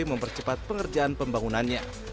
mempercepat pengerjaan pembangunannya